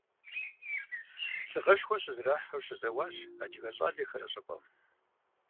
Лӏыгъэшхуэ щызэрахьэу щызэуащ адыгэ щӏалэхэр а щӏыпӏэм.